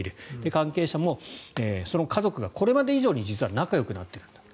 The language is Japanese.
関係者もその家族がこれまで以上に実は仲よくなっていると。